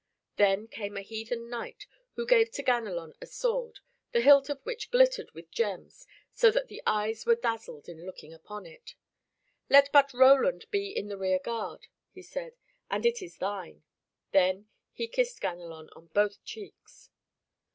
Then came a heathen knight who gave to Ganelon a sword, the hilt of which glittered with gems so that the eyes were dazzled in looking upon it. "Let but Roland be in the rear guard," he said, "and it is thine." Then he kissed Ganelon on both cheeks.